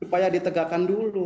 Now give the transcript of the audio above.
supaya ditegakkan dulu